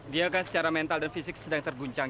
dia kan secara mental dan fisik sedang terguncang